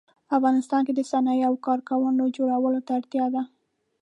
افغانستان کې د صنایعو او کارخانو جوړولو ته اړتیا ده